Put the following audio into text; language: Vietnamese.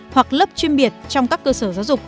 hoặc lớp chuyên biệt trong các cơ sở giáo dục